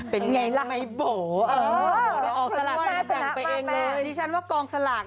เป็นไงล่ะไม่โบ๋เออซัลลักนี่ฉันว่ากองซัลลัก